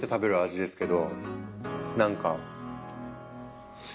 何か。